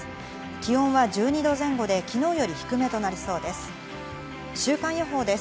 気温は１２度前後で昨日より低めとなりそうです。